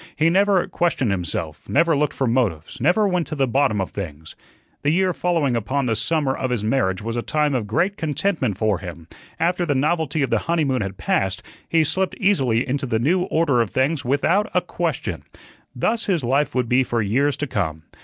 He never questioned himself, never looked for motives, never went to the bottom of things. The year following upon the summer of his marriage was a time of great contentment for him; after the novelty of the honeymoon had passed he slipped easily into the new order of things without a question. Thus his life would be for years to come.